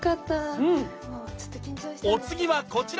お次はこちら！